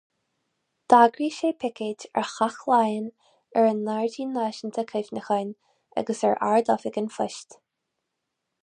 D'eagraigh sé picéid ar Theach Laighean, ar an nGairdín Náisiúnta Cuimhneacháin agus ar Ard-Oifig an Phoist.